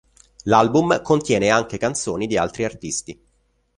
L'album contiene anche canzoni di altri artisti.